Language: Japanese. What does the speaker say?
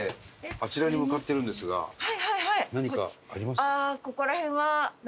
あちらに向かってるんですが何かありますか？